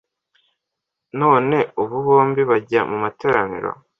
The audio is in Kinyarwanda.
none ubu bombi bajya mu materaniro